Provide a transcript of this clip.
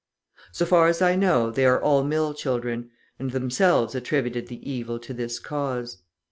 So far as I know they were all mill children, and themselves attributed the evil to this cause.